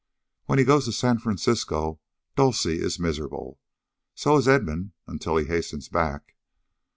When he goes to San Francisco Dulcie is miserable. So is Edmund, until he hastens back.